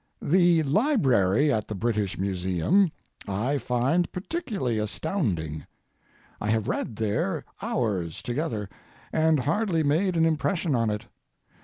] The library at the British Museum I find particularly astounding. I have read there hours together, and hardly made an impression on it.